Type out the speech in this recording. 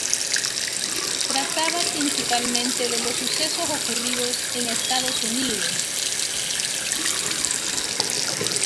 Trataba principalmente de los sucesos ocurridos en Estados Unidos.